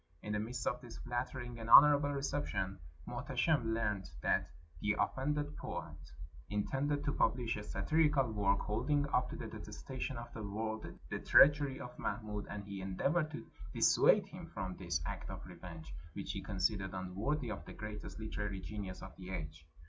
In the midst of this flattering and honorable reception Muhteshim learned that the offended poet intended to publish a satirical work, hold ing up to the detestation of the world the treachery of Mahmud, and he endeavored to dissuade him from this act of revenge, which he considered unworthy of the greatest hterary genius of the age.